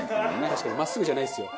確かに真っすぐじゃないっすよ。